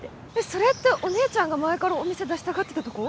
それってお姉ちゃんが前からお店出したがってたとこ？